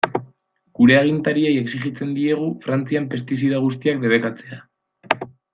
Gure agintariei exijitzen diegu Frantzian pestizida guztiak debekatzea.